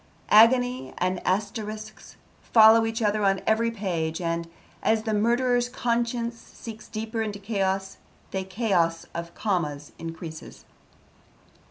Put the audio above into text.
Agony and asterisks follow each other on every page and, as the murderer's conscience sinks deeper into chaos, the chaos of commas increases.